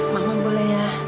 mama boleh ya